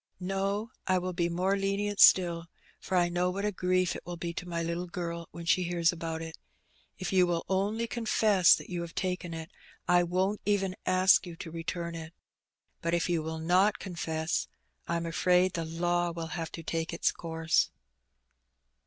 " No, I will be more lenient still, for I know what a grief it will be to my little girl when she hears about it. If you will only confess that you have taken it, I won't even ask you to return it. But if you will not confess, I'm afraid the law will have to take its course."